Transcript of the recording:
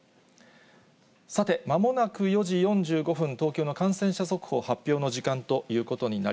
さて、まもなく４時４５分、東京の感染者速報発表の時間ということにな